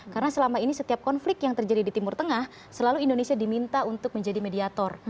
karena selama ini setiap konflik yang terjadi di timur tengah selalu indonesia diminta untuk menjadi mediator